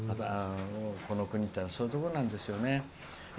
この国っていうのはそういうところなんですよね。